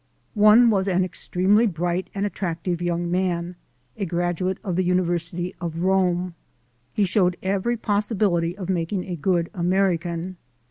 One was an extremely bright and attractive young man, a graduate of the University of Rome. He showed every possibility of making a good American.